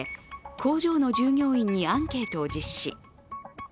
工場の従業員にアンケートを実施。